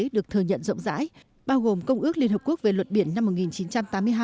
được thừa nhận rộng rãi bao gồm công ước liên hợp quốc về luật biển năm một nghìn chín trăm tám mươi hai